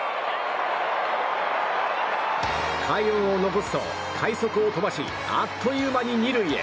快音を残すと、快足を飛ばしあっという間に２塁へ。